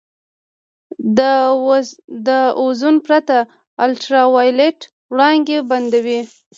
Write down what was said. د اوزون پرت الټراوایلټ وړانګې بندوي.